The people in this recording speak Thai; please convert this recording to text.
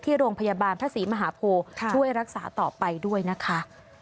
ที่โรงพยาบาลพระศรีมหาโพช่วยรักษาต่อไปด้วยนะคะ